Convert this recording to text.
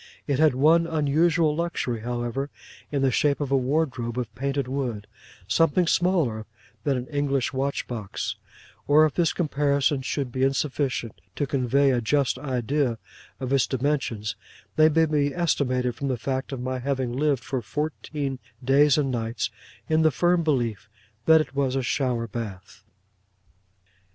It had one unusual luxury, however, in the shape of a wardrobe of painted wood, something smaller than an English watch box; or if this comparison should be insufficient to convey a just idea of its dimensions, they may be estimated from the fact of my having lived for fourteen days and nights in the firm belief that it was a shower bath.